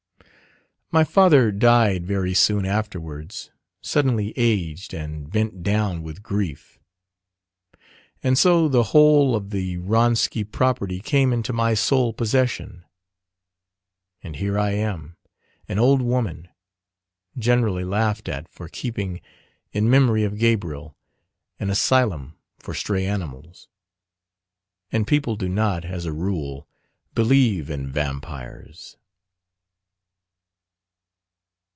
My father died very soon afterwards: suddenly aged, and bent down with grief. And so the whole of the Wronski property came into my sole possession. And here I am, an old woman, generally laughed at for keeping, in memory of Gabriel, an asylum for stray animals and people do not, as a rule, believe in Vampires!